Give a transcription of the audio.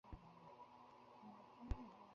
তাঁরাই সমাজের রীতিনীতি বদলাবার দরকার হলে বদলে দেন।